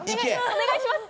お願いします！